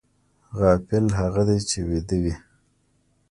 غافل هغه دی چې ویده وي